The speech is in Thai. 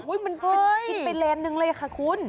อุ้ยมันกินไปเรนหนึ่งเลยค่ะคุณ